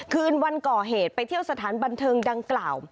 คืนวันก่อเหตุไปเที่ยวสถานบันเทิงดังกล่าว